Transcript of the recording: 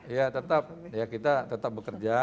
ya tetap ya kita tetap bekerja